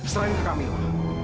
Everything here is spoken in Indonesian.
serahin ke kamila